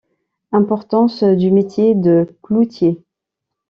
Importance du métier de cloutier.